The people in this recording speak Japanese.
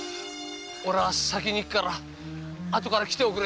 俺が先行くからあとから来ておくれよ？